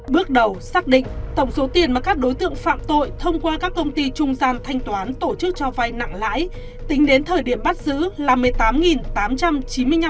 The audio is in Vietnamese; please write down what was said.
bước đầu xác định tổng số tiền mà các đối tượng phạm tội thông qua các công ty trung gian thanh toán tổ chức cho vay nặng lãi tính đến thời điểm bắt giữ là một mươi tám tám trăm chín mươi năm tỷ